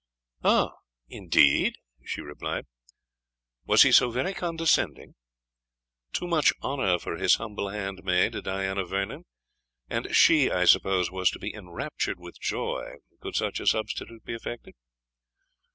"Ay? indeed?" she replied "was he so very condescending? Too much honour for his humble handmaid, Diana Vernon And she, I suppose, was to be enraptured with joy could such a substitute be effected?"